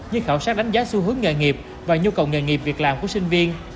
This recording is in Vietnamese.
như khảo sát đánh giá xu hướng nghề nghiệp và nhu cầu nghề nghiệp việc làm của sinh viên